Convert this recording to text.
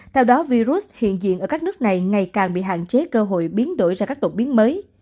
theo đó virus hiện diện ở các nước này ngày càng bị hạn chế cơ hội biến đổi ra các tổ biến mới